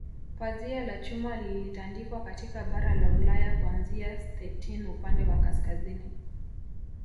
Pazia la Chuma lilitandikwa katika bara la Ulaya kuanzia Stettin upande wa kaskazini